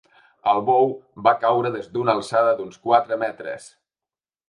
El bou va caure des d’una alçada d’uns quatre metres.